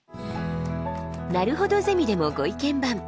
「なるほどゼミ」でもご意見番。